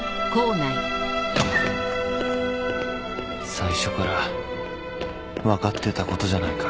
最初から分かってたことじゃないか